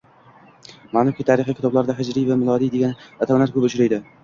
Ma'lumki, tarixiy kitoblarda «hijriy» va «milodiy» degan atamalar ko‘p uchraydi